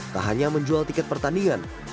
tak hanya menjual tiket pertandingan